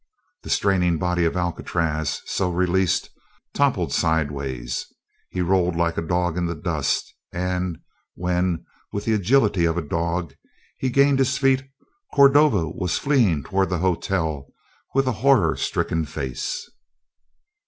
The straining body of Alcatraz, so released, toppled sidewise. He rolled like a dog in the dust, and when, with the agility of a dog, he gained his feet, Cordova was fleeing towards the hotel with a horror stricken face.